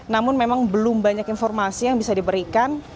namun memang belum banyak informasi yang bisa diberikan